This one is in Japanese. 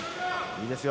いいですよ。